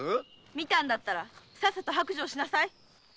見たんだったらさっさと白状しなさい。